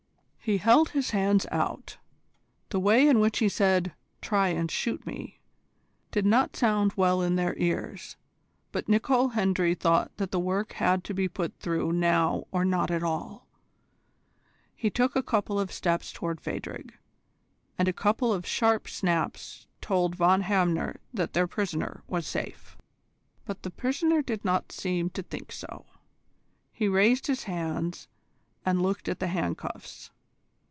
He held his hands out. The way in which he said "try and shoot me" did not sound well in their ears, but Nicol Hendry thought that the work had to be put through now or not at all. He took a couple of steps towards Phadrig, and a couple of sharp snaps told Von Hamner that their prisoner was safe. But the prisoner did not seem to think so. He raised his hands and looked at the handcuffs.